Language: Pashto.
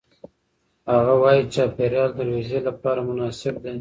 هغه وايي چاپېریال د روژې لپاره مناسب دی.